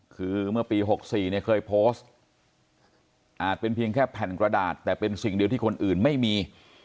คือเมื่อปี๖๔เนี่ยเคยโพสต์อาจเป็นเพียงแค่แผ่นกระดาษแต่เป็นสิ่งเดียวที่คนอื่นไม่มี